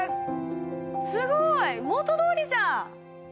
すごい！元どおりじゃん！